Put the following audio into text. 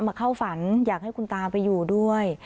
เข้าฝันอยากให้คุณตาไปอยู่ด้วย